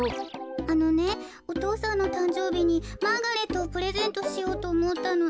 あのねお父さんのたんじょうびにマーガレットをプレゼントしようとおもったの。